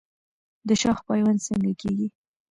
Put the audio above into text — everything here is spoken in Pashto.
د شاخ پیوند څنګه کیږي؟